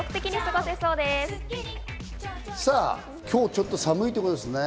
今日、ちょっと寒いということですね。